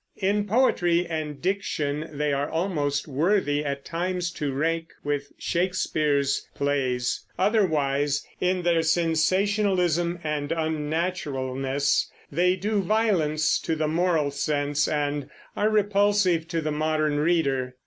In poetry and diction they are almost worthy at times to rank with Shakespeare's plays; otherwise, in their sensationalism and unnaturalness they do violence to the moral sense and are repulsive to the modern reader.